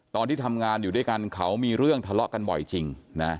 ตอนที่ทำงานอยู่ด้วยกันเขามีเรื่องทะเลาะกันบ่อยจริงนะ